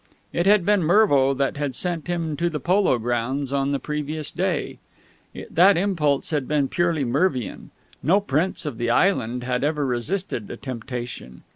It had been Mervo that had sent him to the polo grounds on the previous day. That impulse had been purely Mervian. No prince of that island had ever resisted a temptation.